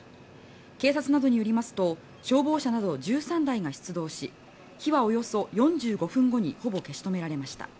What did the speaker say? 警察などによりますと消防車など１３台が出動し火はおよそ４５分後にほぼ消し止められました。